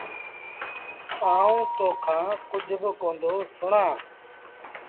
آئوٚݩ تو کآݩ ڪجھ با ڪوندو سُڻآݩ۔